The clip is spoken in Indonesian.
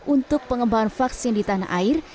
untuk pengembangan vaksin di tanah air